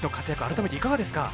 改めていかがですか？